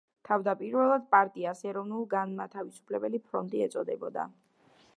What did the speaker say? თავდაპირველად პარტიას ეროვნულ-განმათავისუფლებელი ფრონტი ეწოდებოდა.